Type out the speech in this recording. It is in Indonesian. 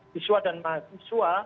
siswa dan mahasiswa